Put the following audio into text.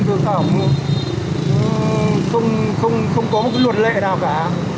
không có một luật lệ nào cả